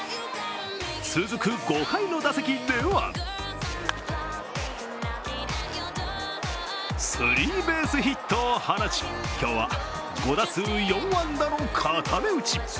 続く５回の打席ではスリーベースヒットを放ち今日は５打数４安打の固め打ち。